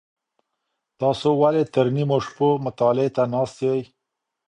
تاسو ولي تر نیمو شپو مطالعې ته ناست یئ؟